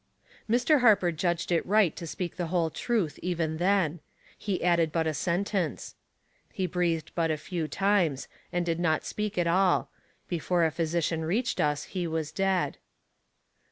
Mr. Harper judged it right to speak the whole truth even then. He added but a sentence. "He breathed but a few times, and did not A Discussion Closed. 297 fipeak at all ; before a phj'siciau reached us he was dead."